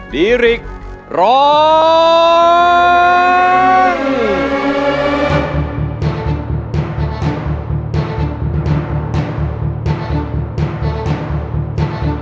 ดีริกซ์บอกแล้ว